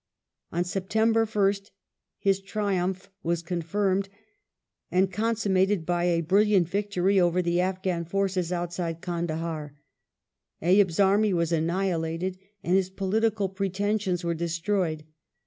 On September 1st his i triumph was confirmed and ^ consummated by a brilliant victory over the Afghan forces outside .~Z^ Kandahar. Ayub's army was annihilated, and his political pre tensions were destroyed.